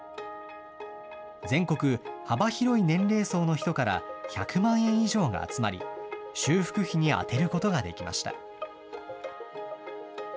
全国幅広い年齢層の人から１００万円以上が集まり、修復費に充てることができました。